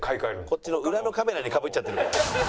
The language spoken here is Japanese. こっちの裏のカメラにかぶっちゃってるから。